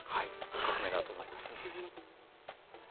革命だと思います。